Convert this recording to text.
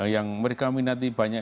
yang mereka minati banyak